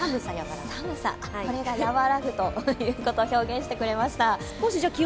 やわらぐということを表現してくれました。